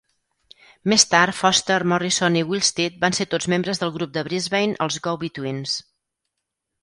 Més tard, Foster, Morrison i Willsteed van ser tots membres del grup de Brisbane, els Go-Betweens.